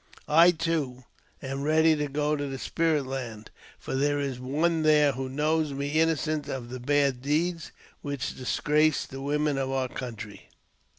I, too, am ready to go to the Spirit Land, for there is one there wh^ knows me innocent of the bad deeds which disgrace the wome of our country."